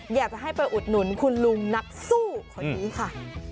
อยากจะให้ไปอุดหนุนคุณลุงนักสู้คนนี้ค่ะ